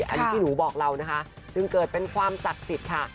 อันนี้ที่หนูบอกเรานะคะซึ่งเกิดเป็นความจักษิตค่ะ